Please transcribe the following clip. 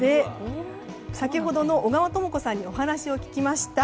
先ほどの尾川とも子さんにお話を聞きました。